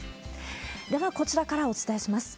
では、こちらからお伝えします。